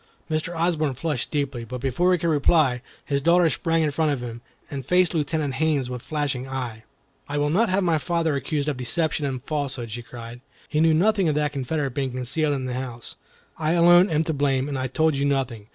Mr. Osborne flushed deeply, but before he could reply, his daughter sprang in front of him, and faced Lieutenant Haines with flashing eye. "I will not have my father accused of deception and falsehood," she cried. "He knew nothing of that Confederate being concealed in the house. I alone am to blame, and I told you nothing.